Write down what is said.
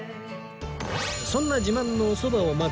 そんな自慢のおそばを待つ間